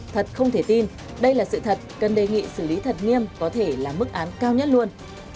thật không thể tin đây là sự thật cần đề nghị xử lý thật nghiêm có thể là mức án cao nhất luôn